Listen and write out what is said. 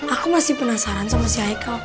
aku masih penasaran sama si hai khal